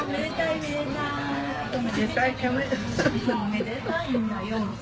めでたいんだよ。